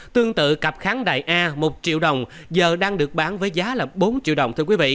tương tự cặp kháng đại a một triệu đồng giờ đang được bán với giá là bốn triệu đồng